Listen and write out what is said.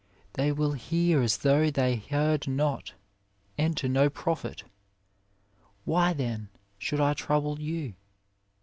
they will hear as though they heard not, and to no profit. Why then should I trouble you